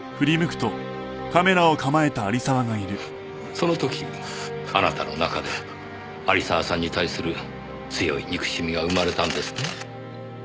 その時あなたの中で有沢さんに対する強い憎しみが生まれたんですね。